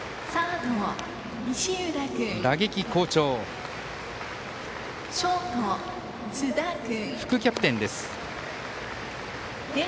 津田、副キャプテンです。